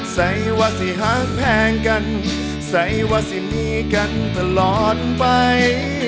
ใส่วาสิหางแพงกันใส่วาซินีกันตลอดไป